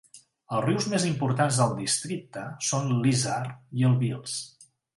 Els rius més importants del districte són l"Isar i el Vils.